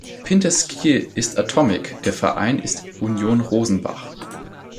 Pinters Ski ist Atomic, der Verein ist Union Rosenbach.